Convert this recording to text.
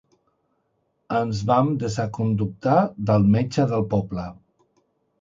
Ens vam desaconductar del metge del poble.